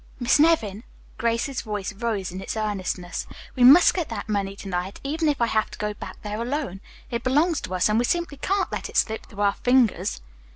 "Miss Nevin," Grace's voice rose in its earnestness, "we must get that money to night, even if I have to go back there alone. It belongs to us, and we simply can't let it slip through our fingers."